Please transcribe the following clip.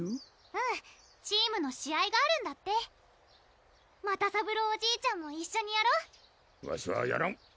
うんチームの試合があるんだって又三郎おじいちゃんも一緒にやろうわしはやらん！